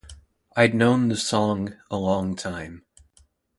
I'd known the song a long time.